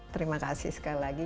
terima kasih sekali lagi